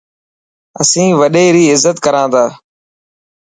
اسين وڏي ري غلط ڪرنا تا.